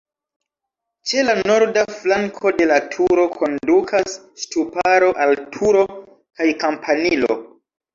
Ĉe la norda flanko de la turo kondukas ŝtuparo al turo kaj kampanilo.